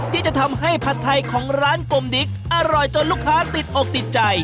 ที่จะทำให้ผัดไทยของร้านกลมดิ๊กอร่อยจนลูกค้าติดอกติดใจ